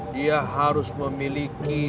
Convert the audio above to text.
dia harus memiliki